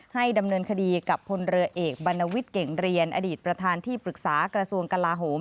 ดำเนินคดีกับพลเรือเอกบรรณวิทย์เก่งเรียนอดีตประธานที่ปรึกษากระทรวงกลาโหม